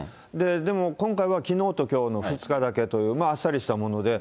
でも今回はきのうときょうの２日だけというあっさりしたもので。